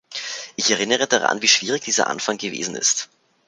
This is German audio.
Ich erinnere daran, wie schwierig dieser Anfang gewesen ist.